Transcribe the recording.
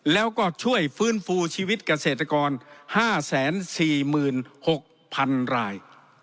แล้วก็ช่วยฟื้นฟูชีวิตเกษตรกร๕๔๖๐๐๐ราย